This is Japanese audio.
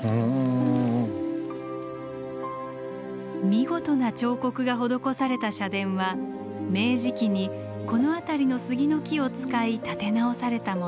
見事な彫刻が施された社殿は明治期にこの辺りの杉の木を使い建て直されたもの。